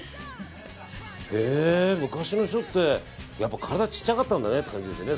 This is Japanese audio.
昔の人ってやっぱ体ちっちゃかったんだねって感じですね。